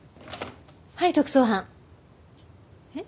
はい特捜班。